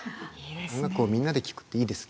音楽をみんなで聴くっていいですね。